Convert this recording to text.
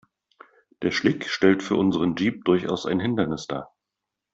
Der Schlick stellt für unseren Jeep durchaus ein Hindernis dar.